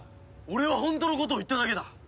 俺は本当のことを言っただけだ！